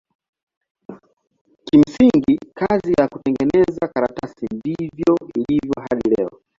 Kimsingi kazi ya kutengeneza karatasi ndivyo ilivyo hadi leo.